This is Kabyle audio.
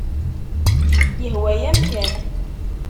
Yehwa-yam kan.